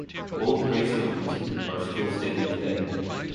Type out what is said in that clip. Both gravestones are still standing today.